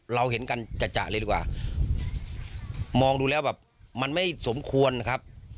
เราเห็นกันจัดเลยดีกว่ามองดูแล้วแบบมันไม่สมควรครับ